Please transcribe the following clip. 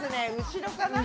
後ろかな？